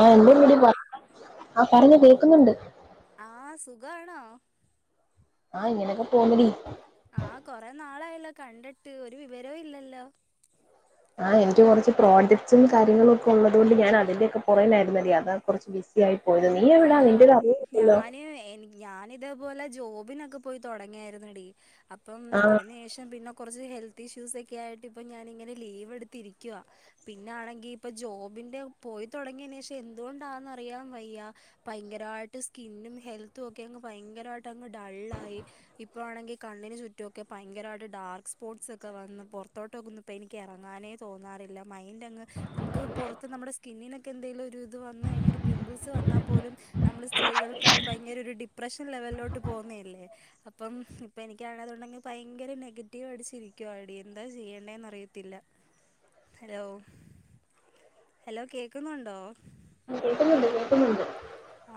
ആഹ് എന്റെ ഹലോ വീട് ആ പറഞ്ഞോ കേൾക്കുന്നുണ്ട്. ആഹ് സുഖാണോ? ആഹ് ഇങ്ങനെയൊക്കെ പോണടി ആഹ് കൊറെ നാളായല്ലോ കണ്ടിട്ട് ഒരു വിവരവും ഇല്ലല്ലോ ആ എനിക്ക് കുറച്ച് പ്രോജക്ട്സും കാര്യങ്ങളും ഒക്കെ ഉള്ളത് കൊണ്ട് ഞാൻ അതിന്റെ ഒക്കെ പുറകിലായിരുന്നെടി അതാ കുറച്ച് ബിസി ആയിട്ട് പോയത് നീ എവിടാ ആഹ് നിന്റൊരു അറിവുംഇല്ലല്ലോ ഞാന് എനി ഞാനിതേപോലെ ജോബിനൊക്കെ പോയി തൊടങ്ങിയായിരുന്നെടി അപ്പം ആ അതിന് ശേഷം പിന്നെ കൊറച്ച് ഹെൽത് ഇഷ്യൂസൊക്കെ ആയിട്ടിപ്പം ഞാനിങ്ങനെ ലീവെടുത്തിരിക്കുവാ പിന്നാണെങ്കി ഇപ്പൊ ജോബ് ബിന്റെ പോയി തുടങ്ങിയയിന് ശേഷം എന്തുകൊണ്ടാന്നറിയാൻ വയ്യ ഭയങ്കരായിട്ട് സ്കിന്നും ഹെൽത്തും ഒക്കെ അങ്ങ് ഭയങ്കരമായിട്ടങ്ങ് ഡള്ളായി ഇപ്പോ ആണെങ്കി കണ്ണിന് ചുറ്റുവൊക്കെ ഭയങ്കരായിട്ട് ഡാർക്ക് സ്പോട്സ് ഒക്കെ വന്ന് പുറത്തോട്ട്ക്കൊന്ന് ഇപ്പോ എനിക്ക് ഇറങ്ങാനേ തോന്നാ റില്ല മൈന്റങ്ങ് നമുക്ക് പുറത്ത് നമ്മുടെ സ്കിന്നിനൊക്കെ എന്തേലും ഒരു ഇത് വന്ന് കഴിഞ്ഞാ ഒരു പിമ്പിൾസ് വന്നാ പോലും നമ്മള് സ്ത്രീകൾക്ക് അത് ഭയങ്കരൊരു ഡിപ്രഷൻ ലെവലിലോട്ട് പോവുന്നതല്ലേ അപ്പം ഇപ്പൊ എനിക്കാണേഅതോണ്ടങ്ങ് ഭയങ്കര നെഗറ്റീവടിച്ചിരിക്കുവാണെടി എന്താ ചെയ്യേണ്ടേന്ന് അറിയത്തില്ല. ഹലോ ഹലോ കേക്കുന്നുണ്ടോ? കേക്കുന്നുണ്ട് കേക്കുന്നുണ്ട്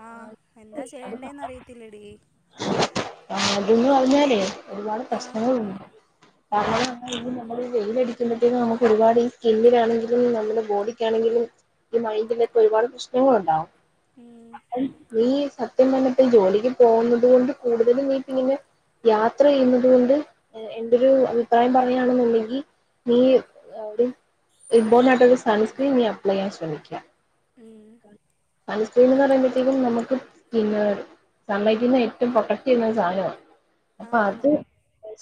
ആഹ് എന്താ ചെയ്യേണ്ടേന്ന് അറിയത്തില്ലടീ അത് ന്ന് പറഞ്ഞാലേ ഒരുപാട് പ്രശ്നങ്ങളുണ്ട് ഉം കാരണംന്ന് പറഞ്ഞാല് ഈ നമ്മളീ വെയിലടി നമുക്ക് ഒരുപാട് ഈ സ്കിന്നിലാണെങ്കിലും നമ്മുടെ ബോഡിക്കാണെങ്കിലും ഈ മയ്ന്റിനൊക്കെ ഒരുപാട് പ്രശ്നങ്ങളുണ്ടാവും. ഉം നീ സത്യം പറഞ്ഞിട്ടും ജോലിക്ക് പോകുന്നതുകൊണ്ട് കൂടുതലും നീ. ഇങ്ങനെ യാത്ര ചെയ്യുന്നത് കൊണ്ട് എന്റെയൊരു അഭിപ്രായം പറയുകയാണെന്നുണ്ടെങ്കിൽ. നീ അവിടെ ഇമ്പോർട്ടന്റ് ആയിട്ട് ഒരു സൺ ക്രീം നീ അപ്ലൈ ചെയ്യാൻ ശ്രമിക്കാ. ഉം [inaudible] എന്ന് പറയുമ്പോത്തേക്കും നമുക്ക് പിന്നെ സമ്മതിക്കുന്ന ഏറ്റവും പ്രൊട്ടക്റ്റ് ചെയ്യുന്ന സാധനമാണ്. ആ അപ്പൊ ആ അത്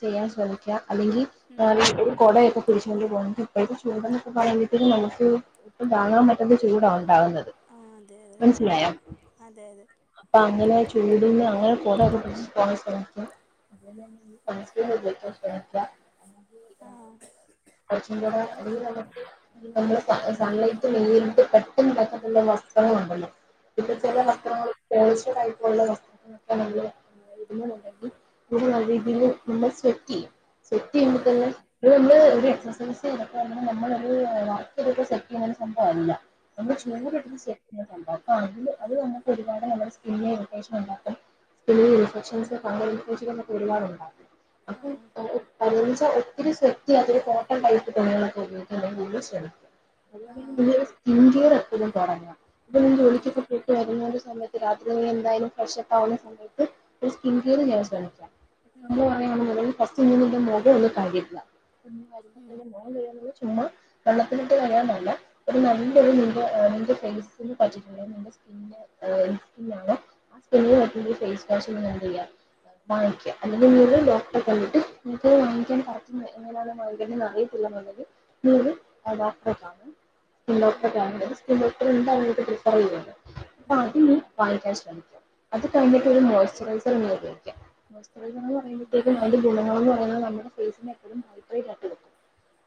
ചെയ്യാൻ ശ്രമിക്കാ അല്ലെങ്കിൽ ഉം ഏഹ് നീയൊരു കുടയൊക്കെ പിടി കൊണ്ടുപോണം ഇപ്പോഴത്തെ ചൂട് എന്നൊക്കെ പറയുമ്പോഴത്തേക്ക് നമുക്ക് ഇപ്പ താങ്ങാൻ പറ്റുന്ന ചൂടാ ഉണ്ടാവുന്നത്. ആ അതെ അതെ മനസിലായോ അതെ അതെ അപ്പൊ അങ്ങനെ ചൂടിന്ന് അങ്ങനെ. കുടയൊക്കെ പിടിച്ചു പോകാൻ ശ്രമിക്കുക, അതുപോലെ നീ സൺ ക്രീം ഉപയോഗിക്കാൻ ശ്രമിക്കുക. നീ ഇതാണ് ആഹ് [inaudible] കൊറച്ചു കൂടെ അപ്പം അല്ലെങ്കിൽ നമുക്ക് നമ്മള് സൺ. സൺലൈറ്റ് നേരിട്ട് തട്ടുന്ന. വസ്ത്രങ്ങൾ ഉണ്ടല്ലോ, ഇപ്പൊ ചില ആഹ് വസ്ത്രങ്ങള് [unintelligible] ആയിട്ടുള്ള വസ്ത്രങ്ങൾ. [unintelligible] ഉണ്ടെങ്കിൽ തുണി അഴിക്കിലും നമ്മള് സെറ്റ് ചെയ്യും. സെറ്റ് ചെയ്യുമ്പോൾ ആഹ് തന്നെ. [unintelligible] ഇത് ഒരു എക്സസൈസ് ചെയ്യണം അപ്പൊ നമ്മള് ഒരു വർക്കിലൊക്കെ സെറ്റ് ചെയ്യുന്ന ഒരു സംഭവം അല്ല. [unintelligible] ചിലർ ആഹ് ഒട്ടും [unintelligible] അത് അതു ആഹ് അങ്ങനത്തെ ഒരുപാട് നമ്മള്. പിന്നെ റിവിഷൻ ഉണ്ടായിരിക്കും സ്കൂളിൽ ഇൻഫെക്ഷൻസ് ഫംഗൽ ഇൻഫെക്ഷൻസ് ഒക്കെ ഒരുപാട് ഉണ്ടാവും. അപ്പൊ ആഹ് [unintelligible] ഇപ്പൊ ഒത്തിരി സെറ്റ് ചെയ്യാനും കോട്ടൺ ടൈപ്പ് തുണികളൊക്കെ ഉപയോഗിക്കൻ കൂടുതൽ ശ്രമിക്കും. വരുവാണെങ്കിൽ ആഹ് നിങ്ങള് സ്കിൻ കെയർ എടുത്തങ്ങ് തുടങ്ങുക, അപ്പൊ നീ അതെ ജോലിക്ക് സെപ്പറേറ്റ് കാര്യങ്ങൾ. സമയത്ത് രാത്രി എന്തായാലും ഫ്രഷ് ഒക്കെ ആക്കുന്ന സമയത്ത് ഒരു സ്കിൻ കെയർ ചെയ്യാൻ ശ്രമിക്കാം. ഉം എക്സാമ്പിൾ പറയുവാണെന്നുണ്ടെങ്കിൽ ഫസ്റ്റ് നീ നിന്റെ മുഖം ഒന്ന് കഴുകുക. അപ്പം നീ വരുമ്പോ ഉം തന്നെ മുഖം കഴുകുന്നത് ചുമ്മാ വെള്ളത്തിട്ട് കഴുകാൻ നോക്കുക ഒരു നല്ലൊരു ഗു നിന്റെ ഫേസിന് പറ്റിയിട്ടുള്ള നിന്റെ സ്കിനിന്റെ ഏഹ് ഓയിൽ സ്കിൻ ആണോ ആ സ്കിനിന് ഒരു ഫേസ്. സ്പെഷ്യൽ എന്ത് ചെയ്യാം. വാങ്ങിക്കുക, അല്ലെ നീ ഒരു ഡോക്ടറെ കണ്ടിട്ട് നിനക്ക് അത് വാങ്ങാൻ പറ്റുന്ന എങ്ങനെയുള്ള. [unintelligible] ഉണ്ടെങ്കിൽ നീ ഡോക്ടറെ കാണാ. ഉം സ്കിൻ ഡോക്ടർ എന്തായാലും പ്രെഫർ ചെയ്യാണ് ഉം അത് ഈ വാങ്ങിക്കാൻ ശ്രമിക്കുക. അത് കഴിഞ്ഞിട്ട് ഉം ഒരു മോസ്ചറൈസർന്ന് ഉപയോഗിക്കാം, മോസ്റൈസർ എന്ന് ഉം പറയുമ്പോഴത്തേക്ക് അതിന്റെ ഗുണങ്ങൾ എന്ന്. അത് നമ്മുടെ ഫേസിന് എപ്പോഴും മൊയ്‌സ്റുറിസഡ് ആക്കിവെക്കും.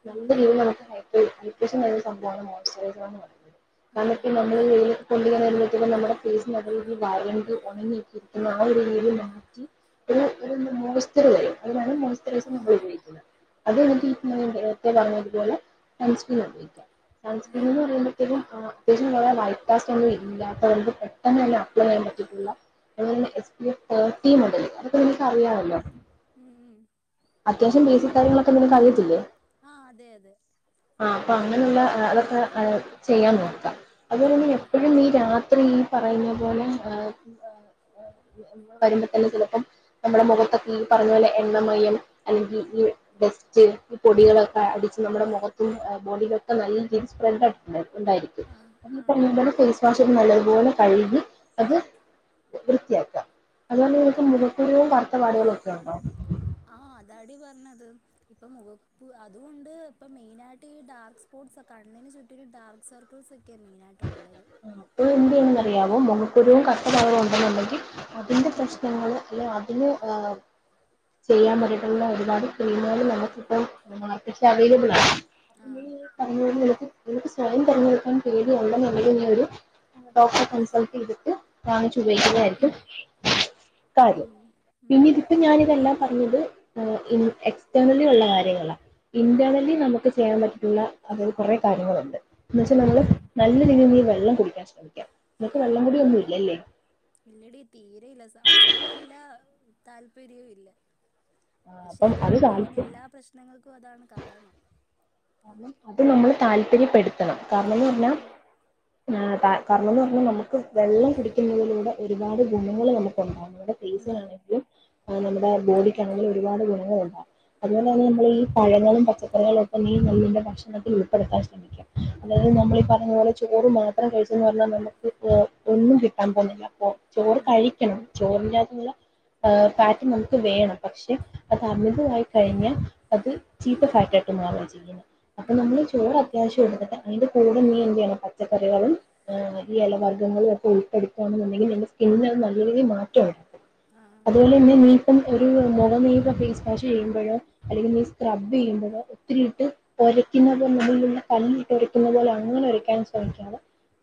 [unintelligible] ഉം അത്യാവശ്യം നല്ലൊരു സംഭവമാണ് മോയ്സ്ചറൈസർ എന്ന് പറയുന്നത് കാരണം ഉം ഇപ്പൊ നമ്മള്. [unintelligible] നമ്മുടെ ഫേസ് നല്ല രീതിയിൽ വരണ്ട് ഉണങ്ങിക്കിയിരിക്കുന്നത് നല്ല രീതി മാറ്റി. ഒരു ഒരു മോസ്റ്റർ വരും അതിനാണ് മോയ്സ്ചറൈസർ നമ്മൾ ആഹ് ഉപയോഗിക്കുന്നത്. അത് നിന്റെ ഈഗമയുടെ ഏറ്റവും നന്നായിട്ട് പോലെ സൺ ക്രീം ഉപയോഗിക്കുക സൺ. ആഹ് ഇതൊന്നു പറയുമ്പോഴേക്കും ആഹ് അത്യാവശ്യം കുറേ വൈറ്റ് പർച്ചേസ് ഒന്നും ഇല്ലാത്തവർക്ക് പെട്ടെന്ന് തന്നെ അപ്ലൈ ചെയ്യാൻ പറ്റിയിട്ടുള്ള. അതുപോലെ തന്നെ എസ് പി എഫ് തേർട്ടി ഉണ്ടാലോ അതൊക്കെ നിങ്ങൾക്ക് ഉം അറിയാലോ. ഉം ഉം അത്യാവശ്യം ബേസിക് കാര്യങ്ങളൊക്കെ നിങ്ങൾക്കറിയത്തില്ലേ. ആഹ് അതെ അതെ ആഹ് അപ്പൊ അപ്പം അങ്ങനെയുള്ള അതൊക്കെ. ചെയ്യാൻ നോക്കാം, അതുപോലെ തന്നെ ആഹ് എപ്പോഴും നീ രാത്രി. ഇവരെ ഈ പറയുന്ന പോലെ എന്നും വരുമ്പോ തന്നെ ചിലപ്പോ. നമ്മുടെ മുഖത്തൊക്കെ ഈ പറഞ്ഞപോലെ എണ്ണമയം അല്ലെങ്കിൽ ഈ ഡസ്റ്റ് ഈ പൊടികളൊക്കെ അടിഞ്ഞ്. അവസാനം നമ്മുടെ മുഖത്തും ബോഡിയിലൊക്കെ നല്ലരീതി. ഉണ്ടായിട്ടുണ്ടായിരിക്കും ആഹ് അവരെ ആഹ് പറയും പോലെ ഫേസ് വാഷ് ഒരു നല്ലതുപോലെ കഴുകി അത്. വൃത്തിയാക്കാം അതുപോലെ നിനക്ക് മുഖക്കുരുവും വറുത്തപാടുകളും ഒക്കെ ഉണ്ടോ. ഇന്നത് മുഖക്കു അതും ഉണ്ട് ഇപ്പം മെയിൻ ആയിട്ട് ഡാർക്ക്‌ സ്പോട്സ് ഒക്കെ കണ്ണിന് ചുറ്റും. പിന്നെ ഡാർക്ക് സർക്കിൾസും. അത് എന്ത് ചെയ്യുന്നു. അറിയാവോ മുഖക്കുരുവും കറുത്ത പാടുകളും ഉണ്ടെന്നുണ്ടെങ്കിൽ അതിന്റെ പ്രശ്നങ്ങൾ അല്ലെ അതിന് ഓ. ചെയ്യാൻ പറ്റിയിട്ടുള്ള ഒരുപാട് ക്ലീമുകൾ നമുക്കിപ്പ മാർക്ക അവൈലബിൾ ആ ആഹ് അ പറഞ്ഞക്ക്ക്ക് സ്വയം തതിരഞ്ഞെടുക്കാൻ പേടിയുണ്ടെന്നുള്ളരു ഡോക്ടറെ കൺസൾട്ട് ചെയ്തിട്ട് ഞാങ്ങ ച ഉം ഉപയിക്കുകായിരിക്കും കാര്യം ഉം ഉം പിന്ന ഇതിപ്പോ ഞാാനിതെല്ലാം പറഞ്ഞത് എക്സ്റ്റേർണലി ഉള്ള കാര്യങ്ങളാണ് ഉം ഇന്റേർണലി നമുക്ക് ചെയ്യാൻ പറ്റ ഉള്ള അതിൽ കുറെ കാര്യങ്ങളുണ്ട് എന്നുവച്ചാൽ ഉം നമ്മള് നല്ല വെള്ളം കുടിക്കാൻ ശ്രമിക്കാം ഉം ഇല്ലടി തീരെ ഇല്ല സമയവും ഇല്ല താല്പര്യവും ഇല്ല പക്ഷെ അപ്പം അത് അതാണ് മെയിൻ താല്പര്യം എല്ലാ പ്രശ്നങ്ങൾക്കും അതാണ് കാരണംണം [inaudible] കാരണം അത് നമ്മള് താല്പര്യപ്പെടുത്തണം കാരണംന്ന് പറഞ്ഞാ ഉം കാരണം എന്ന് പറഞ്ഞാൽ നമുക്ക് വെള്ളം കുടിക്കുന്നതിലൂടെ ഒരുപാട് ഗുണങ്ങൾ നമുക്ക് ഉണ്ടാകുന്നു ഉം ഫേസിനാണെിലും നമ്മുടെ ബോഡിക്കക്ക്ണെങ്കിലും ഒരുപാട് ഗുണങ്ങ ഉണ്ടാകും അതുപോലെ തന്നെ ഉം നമ്മൾ ഈ പഴങ്ങളും പച്ചക്കറികളൊ ഒക്കെ നും നമ്മളിന്റെ ഭക്ഷണത്തിൽ ഉൾപ്പെടുത്താൻ ശ്രമിക്കാം അതായത് ആഹ് നമ്മൾ ഈ പറഞ്ഞതു പോോലെ ചോറ് മാത്രം കഴിച്ചന്ന് പറഞ്ഞാൽ നമുക്ക് ഒന്നും കിട്ടാൻ പോകുന്നില്ല ചോറ് ഉം കഴിക്കണം ചോറിന്റെകത്തുള്ള ആ ഫാറ്റ് നമുക്ക് വേണം പക്ഷെ അത് അമിതമായി കഴിഞ്ഞാൽ അത് ചീത്ത ഫാറ്റ് ചെയ അപ്പൊ ഉം നമ്മള് ചോറ് അത്യാവശ്യം എടുത്തിട്ട് അതിന്റെ കൂടെ നീ എന്താണ് പച്ചക്കറളും ഈ ഇലവർഗ്ഗങ്ങളും ഒക്കെ ഉൾപ്പെടുപ്പുകയാണെന്നുണ്ടെങ്കിൽ നല്ല രീതിയിൽ മാറ്റും ആഹ് അതുപോലെ തന്നെ നീപ്പം ഒരു നീ ഫേസ് വാഷ് ചെയ്യുമ്പോഴോ അല്ലങ്കിൽ നീ സ്ക്രബ് ചെയ്യുമ്പോഴോ ഒത്തിരി ഒരയ്ക്കുന്ന മുള്ളിലുള്ള കല്ലിട്ട് ഉരയ്ക്കുന്ന പോലെ അങ്ങനെ ഒരയ്ക്കാനും ശ്രമിക്കുന്നത്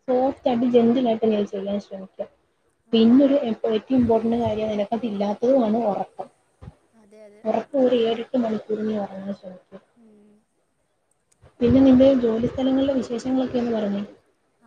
സോഫ്റ്റ് ആയിട്ട് ജെന്റൽ ആായിട്ട് നിഞൾ ചെയ്യാൻ ശ്രമിക്കുക ആഹ് പിന്നരു ഏറ്റവും ഇമ്പോർട്ടന്റ് കാര്യം നിനക്ക അത് ഇല്ലാത്തതുമാണ് ഉറപ്പം അതെ അതെ ഉറപ്പ ഒരു ഏഴ എട്ട് മണിക്കൂർഞ് വര ഉം പിന്നെ നിന്റെ ജോലിസ്ഥഥലങ്ങളിലെ വിശേഷങ്ങളൊക്കെയന്ന് പറഞ്ഞേ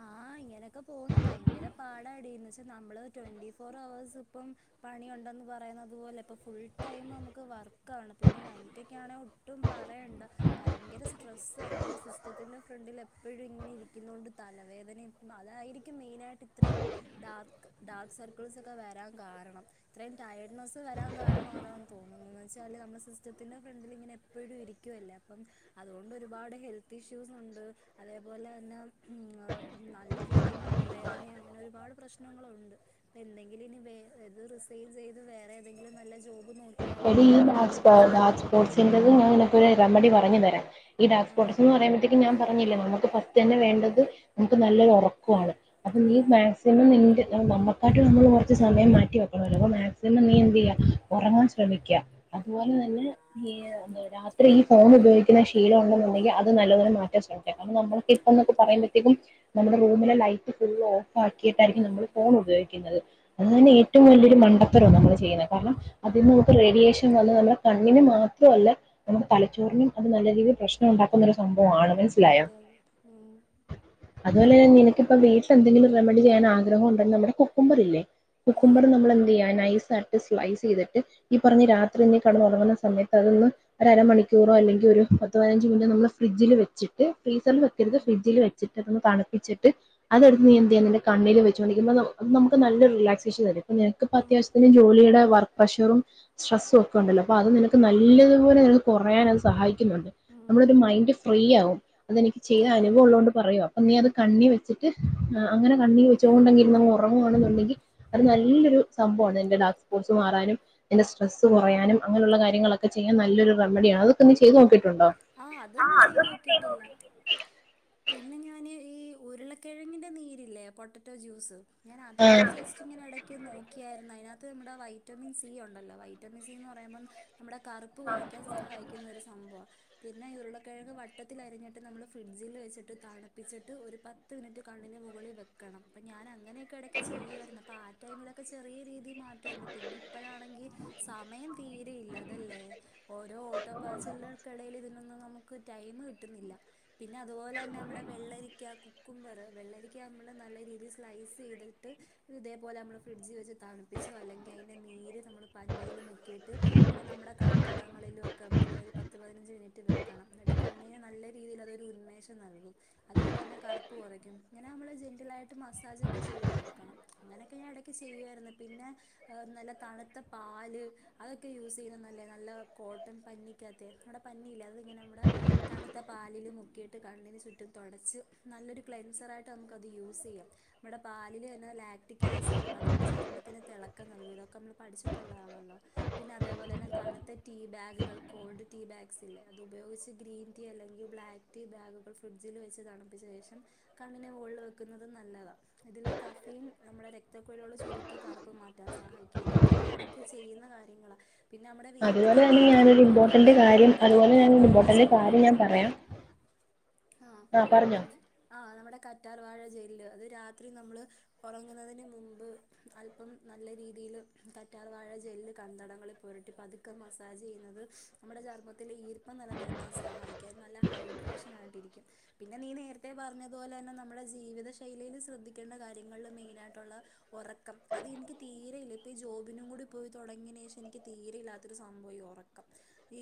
ആഹ് ഇങ്ങനൊക്കെ പോ ഭയങ്കര പാടന്ന്ച്ചൽ നമ്മള് ട്വന്റി ഫോർ അവവേഴ് ഇ പണിുണ്ട പറയുന്നത്തുപോലെ ഇപ്പോൾ ഫുൾ ടൈം നമുക്ക് വർക്കാണ് പിന്നെ കഞ്ഞിട്ടൊക്കെ ആണെങ്കിൽ ഒട്ടും പറയേണ്ട ഭയങ്കര സ്ട്രെസ്സ ആ നമ്മുടെ സിസ്റ്റത്തിന്റെ ഫ്രണ്ടിൽ എപ്പോഴും ഇങ്ങനെ ഇരിക്കുന്നണ്ട് തലവേദനയും അതായിരിക്കും മെയിനായിട്ട് ഇത്രയും ഡ ഡാർക്ക് സർക്കിൾസ് ഒക്കെ വരാൻ കാരണം ഇത്രയും ടയർഡ്നെസ് വരാൻ കാരണം ണ അതാ തോന്നുന്നത്ന്ന് വെച്ചാല് നമ്മുടെ സിസ്റ്റത്തിന്റെ ഫ്രണ്ടിൽില് ഇങ്ങെ എപ്പോഴും ഇരിക്കുവല്ല അപ്പം അതുകൊണ്ട് ഒരുപാട് അടെ ഹെൽത്ത് ഇഷ്യൂസ് ഉണ്ട് അതേപോലെ തന്നെ നല്ല രീതിൽ നടുവേദന അങ്ങനെ ഒരുപാട് പ്രശ്നങ്ങളുണ്ട് ഇ എന്തെങ്കിലും ഇനി വത് റിസൈൽ ചെയ്ത് വേറെ ഏതെങ്കിലും നല്ല ജോബ് നോക്കി എ്പോർസ്ക്ക് റെമി പറഞ്ഞ തരാം ഈ ഡാക്ക് ആ സ്പോട്ടർ എന്ന് പറയുമ്പഴത്തേക്ക് ഞൻ പറഞ്ഞില്ല നമുക്ക് പത്ത് തന്നെ വേണ്ടത് നമുക്ക് നല്ലൊരു ഉറക്കമാണ് അപ്പൊ ആ നീ മാക്സിമം നി ന നമ്മൾ കുറച്ച് സമയം മാറ്റി വെക്കണമല്ലോ അപ്പൊ മാക്സിമം നീ എന്ത് ചെയ്യ ഉറങ്ങാൻ ശ്രമിക്കുക അതുപോലെ ഉം തന്നെ ന എന്ത രാത്രി ഫോൺ ഉപയോഗിക്കുന്ന ശീലംണ്ടെന്നുണ്ടെിൽ അത് നല്ലെ മാറ്റാൻ ശ്രമിക്ക കാരണം നമ്മക്ക് ഇപ്പൊക്ക പറുമ്പോഴത്തേക്കും റൂമില ലൈറ്റ് ഫു ബാക്കിയിട്ടായിരിക്കും ഉം നമ്മൾ ഫോൺ ഉപയോഗിക്കുന്നത് അത് ഉം തന്നെ ഏറ്റവും വലിയൊരു മണ്ടത്തരവും നമ്മൾ ചെയ്യുന്നത് കാരണം അതി ഉം ന റേഡിയേഷൻ വന്ന നമ്മുടെ കണ്ണിന് മാത്രമല്ല നമുക്ക് തലച്ചോറിനും അത് നല്ലീതിൽ പ്രശ്ന ണ്ടാക്കുന്ന ഒരു സംഭവമാണ് മനസ്സിലായ അതെ അതെ ഉം അതുപോലെ തന്നെ നിനക്ക്ിപ്പോ വീ എന്തെങ്കിലും റെമഡ ചെയ്യാൻ ആഗ്രഹം ഉണ്ട നമ്മുടെ കുക്കുമബറല്ലേ ആഹ് കുക്കുമബർ നമ്മൾ എന്ത് ചെയ്യാന ് സ്ലൈസ് ചെയ്തിട്ട് ഈ ഒരു പറഞ്ഞ രാത്രി കടന്ന തുടങ്ങുന്ന സമയത്ത് അതൊന്ന്രമണി ക്യറോ അല്ലെങ്കിൽ ഒരു പതിനഞ്ച് മിനറ്റോ നമ്മൾ ഫിഡ്ജിൽ വച്ചിട്ട് ഫ്രീസൽ വെക്കരുത് ഫ്രഡ്ജിൽ വെച്ചട്ട് അതന്ന് തണുക്ക് പ്പിച്ചിട്ട് അതെടുത്ത് നീഎന്ത്യ നിന്റെ കണ്ണില് വെച്ചോണ്ടിക്ക്മോ ന നമുക്ക് നല്ലൊരു റിലക്സൻ തും അ നിനക്കിമപ്പത്യാവശത്തിന് ഫ്രിഡ്ജിൽ അത്യാവശ്യത്തിന് ജോലി ഒണ് ടെ വർക്ക് പ്രഷറും സ്ട്രെസും ഒക്കെ ഉണ്ടല്ലോ അപ്പോ അത് നിനക്ക് നല്ലതുപോലെങ്ങട് കുറയാൻ അത് സഹായിക്കുന്നൊണ്ട് നമ്മടൊരു മൈൻഡ് ഫ്രീ ആവും. അതെനിക്ക് ചെയ്ത അതെ അനുഭവോള്ളോണ്ട് പറയുവാ. അപ്പൊ നീ അത് കണ്ണി വെച്ചിട്ട് ത് അങ്ങനെ കണ്ണി വെച്ചോണ്ടങ്ങിരുന്നങ്ങൊറങ്ങുവാണന്നൊണ്ടെങ്കി അത് നല്ലൊരു സംഭവമാണ് അയിന്റെ ലാസ് പോർസ് മാറാനും എന്റെ സ്ട്രസ് കൊറയാനും അങ്ങനുള്ള കാര്യങ്ങളൊക്കെ ചെയ്യാൻ നല്ലൊരു റെമഡിയ അതൊക്കെ നീ ചെയ്ത് നോക്കിയിട്ടുണ്ടോ ആ അതൊന്നും ചെയ്ത് നോക്കിട്ടില്ല പിന്നെ ഞാന് ഈ ഉരുളക്കെഴങ്ങിന്റെ നീരില്ലേ പൊട്ടറ്റോ ജ്യൂസ് ഞാൻ അതൊക്കെ ജസ്റ്റ് ഇങ്ങനെ ഇടക്ക് നോക്ക ക്കിയാരുന്നു അതിനാത്ത് നമ്മടെ വൈറ്റമിൻ സി ഉണ്ടല്ലോ വൈറ്റമിൻ സി എന്ന് പറയുമ്പം നമ്മുടെ കറുപ്പ് കൊറയ്ക്കാൻ സഹായിക്കുന്ന ഒരു സംഭവാ. പിന്നെ ഉരുളക്കിഴങ്ങ് വട്ടത്തിൽ അരിഞ്ഞിട്ട് നമ്മള് ഫ്രിഡ്ജിൽ വെച്ചിട്ട് തണുപ്പിച്ചിട്ട് ഒരു പത്ത് മിനിറ്റ് ക ണ്ണിന് മുകളിൽ വെക്കണം അപ്പൊ ഞാൻ അങ്ങനെയൊക്കെ ഇടയ്ക്കു ചെയ്യുമായിരുന്നു അപ്പോ ആടൈമിലൊക്കെ ചെറിയ രീതിയി മാറ്റോണ്ട് പിന്നെ ഇപ്പഴാണെങ്കിൽ സമയം തീരെയില്ല അതല്ലേ, ഓരോ ഓട്ടോ പാച്ചിലില് ഇതിനൊന്നും നമുക്ക് ടൈമു കിട്ടുന്നില്ല, പിന്നെ അതുപോലെ തന്നെ നമ്മടെ വെള്ളരിക്ക കുക്കുംബറ് വെള്ളരിക്കാമ്മള് നല്ല രീതിൽ സ്ലൈസ് ചെയ്തിട്ട് ഇതേപോലെ നമ്മള് ഫ്രിഡ്ജി വെച്ച് തണുപ്പിച്ചോ അല്ലെങ്കിൽ അയിന്റെ നീര് നമ്മള് പഞ്ഞീല് മുക്കീട്ട് ങ്ങനെ നമ്മടെ കൺതടങ്ങളിലും ഒക്കെ നമ്മളിങ്ങനെയൊരു പത് ത്തുപതിനഞ്ച് മിനിറ്റ് വെക്കണം എന്നിട്ട്, കണ്ണിന് നല്ല രീതിയിൽ അതൊരു ഉന്മേഷം നൽകും അതുപോലെ തന്നെ കറുപ്പ് കൊറ റക്കും, ഇങ്ങനെമ്മള് ജെന്റിലായിട്ട് മസാജ് ഒക്കെ ചെയ്ത് കൊടുക്കണം അങ്ങനൊക്കെഞാൻ എടക്ക് ചെയ്യുവാരുന്നു പിന്നെ അ നല്ല തണുത്ത പാല് അതൊക്കെ യൂസ് ചെയ്യുന്ന നല്ലെയാ, നല്ല കോട്ടൺ പഞ്ഞിക്കാത് നമ്മടെ പഞ്ഞിയില്ലേ അത് ഇങ്ങനെമ്മടെ തണുത്ത പാലില് മുക് ക്കിയിട്ട് കണ്ണിന് ചുറ്റും തൊടച്ച് നല്ലൊരു ക്ലെൻസറായിട്ട് നമുക്കത് യൂസ് ചെയ്യാം നമ്മുടെ പാലില് തന്നെ ലാക്റ്റിക്കാസിടൊണ്ട് അത് നമ്മുടെ ചർമ്മത്തിന് തെളക്കം നൽകും ഇതൊക്കെ നമ്മൾ പഠിച്ചിട്ടൊള്ളയാണല്ലോ പിന്നതേപോലെ തണുത്ത ടീ ബാഗുകൾ കോൾഡ് ടീബാഗ്സ് ഇല്ലേ, അത് ഉപയോഗിച്ച ഗ്രീൻ ടീ അല്ലെങ്കിൽ ബ്ലാക്ക് ടീ ബാഗുകൾ ഫ്രിഡ്ജില് വെച്ച് തണുപ്പിച്ച ശേഷം കണ്ണിന് മോളില് വെക്കുന്നത് നല്ലതാ. ഇതിൽള്ള കഫീൻ നമ്മുടെ രക്തക്കുഴലുകള് ചുരുക്കി കറുപ്പ് മാറ്റാൻ സഹായിക്കും, ഇതൊക്കെ ഞാ എടയ്ക്ക് ചെയ്യുന്ന കാര്യങ്ങളാ, പിന്നെയമ്മടെ വീട്ടിൽ അതുപോലെ തന്നെ ഞാനൊരു അവൈലബിളായിട്ടൊള്ള ഇമ്പോർട്ടന്റ് കാര്യം, അതുപോലെ ഞാനൊരിമ്പോട്ടന്റ് കാര്യം ഞാൻ പറയാം ആ ആ നമ്മടെ കറ്റാർവാഴ ജെല്ല്, അത് രാത്രി നമ്മള് ഒറങ്ങുന്നതിന് മുമ്പ്‌ അല്പം നല്ല രീതി ൽ കറ്റാർ വാഴ ജെല്ല് കൺതടങ്ങളിൽ പുരട്ടി പതുക്കെ മസാജ് ചെയ്യുന്നത് നമ്മുടെ ചർമ്മത്തിലെ ഈർപ്പം നിലനിർത്താൻ സഹായിക്കും അതു നല്ല ഹൈഡ്രേഷൻ ആയിട്ടിരിക്കും. പിന്നെ നീ നേരത്തെ പറഞ്ഞതുപോലെ തന്നെ നമ്മുടെ ജീവിത ശൈലിയില് ശ്രദ്ധിക്കേണ്ട കാര്യങ്ങളിൽ മെയിനായിട്ടുള്ള ഒ ഉറക്കം അതെനിക്ക് തീരെയില്ല ഇപ്പ ഈ ജോബിനും കൂടി പോയി തുടങ്ങിയന് ശേഷം എനിക്ക് തീരെയില്ലാത്തൊരു സംഭവായീ ഒറ റക്കം. ഈ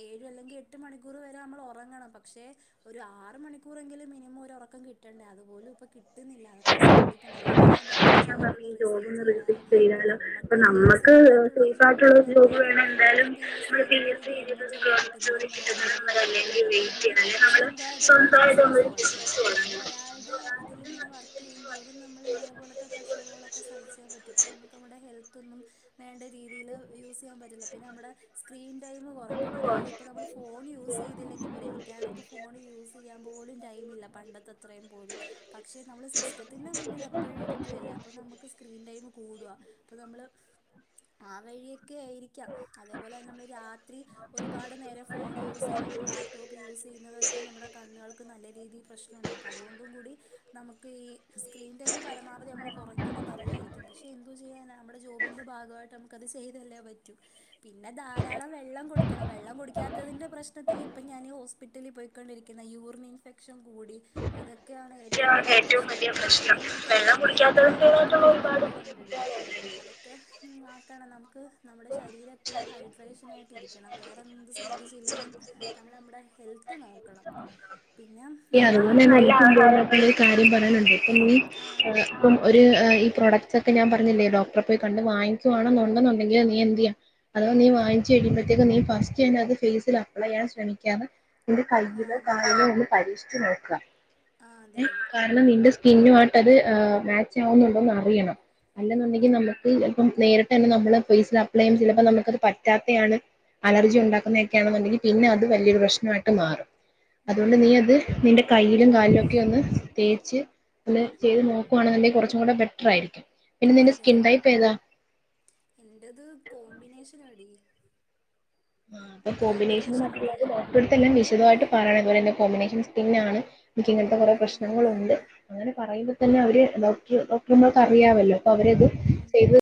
ഏഴ് അല്ലെങ്കിൽ എട്ട് മണിക്കൂർ വരെ നമ്മൾ ഒറങ്ങണം പക്ഷെ ഒരു ആറ് മണിക്കൂറെങ്കിലും മിനിമ മൊരു ഒറക്കം കിട്ടണ്ടേ അതുപോലും ഇപ്പ കിട്ടുന്നില്ല അതൊക്കെ ശ്രദ്ധിക്കണം അതുകൊണ്ടാ ഞാൻ പറഞ്ഞെ ഈ ജോബ് ഒന്ന് റിസൈൻ ചെയ്താലോ, അപ്പ നമ്മക്ക് നമ്മക്ക് സേഫായിട്ടുള്ള ഒരു ജോബ് വേണം നമ്മൾ എന്തായാലും പി എസ് സി നമ്മള് എഴുതിയിട്ട് ഒരു ചെയ്യും. [unintelligible] ഗവൺമെന്റ് ജോലി കിട്ടുന്നിടം വരെ കിട്ടുന്നേടം വരേ അല്ലെങ്കിൽ വെയിറ്റ് അല്ലെങ്കിൽ ചെയ്യണം വെയിറ്റ് നമ്മൾ ചെയ്യണം അല്ലേ നമ്മള് സ്വയന്തൊഴില് നമ്മളൊരാളുടെ ഇതിന് ഇങ്ങനെ വർക്ക് ചെയ്യും തോറും നമ്മൾ ഇതേപോലത്തെ പ്രഷറുകളൊക്കെ സഹിച്ചേ പറ്റു അ നമുക്ക് നമ്മടെ ഹെൽ ത്തൊന്നും വേണ്ട രീതില് യൂസ് ചെയ്യാൻ പറ്റില്ല. പിന്നെ നമ്മടെ സ്ക്രീൻ ടൈമ് കൊറയ്ക്കണം അതായത് ഇപ്പൊ നമ്മള് ഫോൺ യൂസ് ചെയ്തില്ലെങ്കിൽ പോലും എനിക്കാടെ ഇപ്പോ ഫോണ് യൂസ് ചെയ്യാൻ പോലും ടൈം പണ്ടത്തെത്രയും പോലും പക്ഷെ നമ്മള് സിസ്റ്റത്തിന്റെ മുന്നിൽ എപ്പഴും ഇരിക്കുവല്ലേ അപ്പോ നമുക്ക് സ്ക്രീൻ ടൈമു കൂടുവ അപ്പൊ നമ്മള് ആ വഴിയൊക്കെ ആയിരിക്കാം അതേപോലെന്നെ നമ്മള് രാ ത്രി ഒരുപാട് നേരാം ഫോൺ യൂസ് ചെയ്യുന്നതും ലാപ്ടോപ്പ് യൂസ് ചെയ്യുന്നതൊക്കെ നമ്മുടെ കണ്ണുകൾക്ക് നല്ല രീതീൽ പ്രശ്നം ഉണ്ടാക്കും അതുകൊണ്ടും കൂടി നമുക്ക് ഈ സ്ക്രീൻ ടൈം പരമാവധി നമ്മൾ കുറയ്ക്കുന്നത് നല്ലേയിരിക്കും പക്ഷെ എന്തു ചെയ്യാന നമ്മുടെ ജോബിന്റെ ഭാഗവായിട്ട് നമുക്ക്ത് ചെയ്തല്ലേ പറ്റു പിന്നെ ധാരാളം വെള്ളം കുടിക്കണം വെള്ളം കുടിക്കാത്തതിന്റെ പ്രശ്നത്തിൽ ഇപ്പ ഞാൻ ഈ ഹോസ്പിറ്റലിൽ പോയിക്കൊണ്ടിരിക്കുന്ന, യൂറിൻ ഇൻഫെ ക്ഷൻ കൂടി അതൊക്കെയാണ് ഏറ്റവും വലിയ പ്രശ്നം വെള്ളം കുടിക്കാത്തതിൻ്റേതായിട്ടുള്ള ഒരുപാട് ബുദ്ധിമു ബുദ്ധിമുട്ടുകൾ ഒണ്ടടി അതൊക്കെ ആക്കണം നമുക്ക്. നമ്മുടെ ശരീരം എപ്പോഴും ഹൈഡ്രേഷനായി രിക്കണം വേറെന്ത് ശ്രദ്ധിച്ചില്ലേലും നമ്മൾ നമ്മുടെ ഹെൽത്ത് നോക്കണം. പിന്നെ അ നല്ല അതുപോലെ ആഹാരങ്ങൾ എന്ക്കും ഒരു കാര്യം പറയാനുണ്ട് ഇപ്പൊ നീ ആ ഇപ്പം ഒര് ഈ പ്രോഡക്ട്സ് ഒക്കെ ഞാൻപർ ഞ്ഞില്ലേ ഡോക്റെ പോയി കണ്ട് വാങ്ങിക്കുവാണോനുണ്ടോ ഉണ്ടെങ്കി നീ എന്ത്‌ ചെയ്യ അതവാ നീ വാങ്ങിച്ച് കഴിയുമ്പോഴത്തേക്ക നീ ഫസ്റ്റ്ത് ഫേസിൽ അപ്ലൈ ചെയ്യൻ ശ്രമിക്കാതെ നിന്റെ കൈ ആ താഴെ ഒന്ന് പരീക്ഷിച്ച് നോക്കുക ആ അതെ ഏ അതെ കാരണം നിന്റെ സ് കിന്നുമായിട്ടത മാച്ച് ആവുന്നുണ്ടോന്ന് അറിയണം ഉം അല്ലെന്നുണ്ടെങ്കിൽ നമുക്ക് അപ്പം നേരിട്ട് തന്നെ നമ്മള് ഫേസിൽ അപ്ലൈ ചെയ്യും ചെയ ചെ ലപ്പോ നമുക്കത് പറ്റാത്തെയാണ് അലർജി ഉണ്ടാക്കുന്നതൊക്കെയാണെന്നുണ്ടെങ്കിൽ പിന്നെ അത് വലിയൊരു പ്രശ്നമായിട്ട് മാറും ഉം അതുകൊണ്ട് നീ അത് നിന്റെ കയ്യിലും കാലിലും ഒക്കെ ഒന്ന് തേച്ച് ഒത് ചെയ്ത് നോക്കുകവാണെന്നുണ്ടെങ്കിൽ കുറച്ചും കൂടെ ബെറ്റർ ആയിരിക്കും പിന്നെ നിന്റെ അതെ സ്കിൻ അതെ ടൈപ്പ് ഏതാ എന്റത് കോമ്പിനേഷൻ ആടി ആ അ കോമ്പിനേഷൻ ഡോക്ടറെ അടുത്ത് വിശ തമായിട്ട് പറയണം അതുപോലെ എ കോമ്പിനേഷൻ സ്കിന്നാണ് എനക്ക് ഇങ്ങനത്തെ കുറെേ ഉം പ്രശ്നങ്ങളുണ്ട്. അങ്ങനെ പറയുമ്പോ തന്നെ അവര് ഡോക്ടർ ഡോക്ടർമാക്ക് അറിയാവല്ലോ അപ്പൊ അവരത് ഉം ചെയ്ത്